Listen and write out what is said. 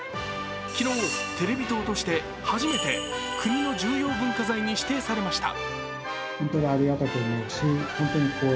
昨日テレビ塔としては初めて国の重要文化財に指定されました。